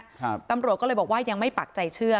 ตำรวจก็เลยบอกว่ายังไม่ปักใจเชื่อ